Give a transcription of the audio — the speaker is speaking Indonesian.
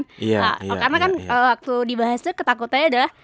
karena kan waktu dibahas itu ketakutannya adalah